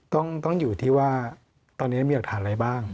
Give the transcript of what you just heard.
ต้องอยู่ที่ว่าตอนนี้มีหลักฐานอะไรบ้าง